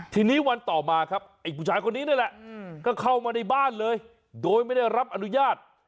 ทีนี้วันต่อมาครับไอ้ผู้ชายคนนี้นี่แหละก็เข้ามาในบ้านเลยโดยไม่ได้รับอนุญาต